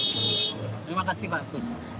terima kasih pak